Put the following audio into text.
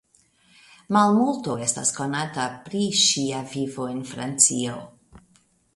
Malmulto estas konata pri ŝia vivo en Francio.